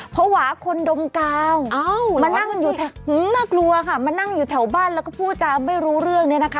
ผวาคนดมกาวมันนั่งอยู่แถวบ้านแล้วก็พูดจาไม่รู้เรื่อง